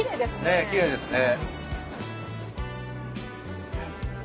ねっきれいですね。